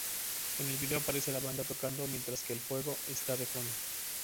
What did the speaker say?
En el vídeo aparece la banda tocando, mientras que el fuego esta de fondo.